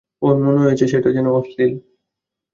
ওর মনে হয়েছে সেটা যেন অশ্লীল।